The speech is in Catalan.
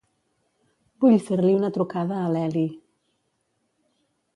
Vull fer-li una trucada a l'Eli.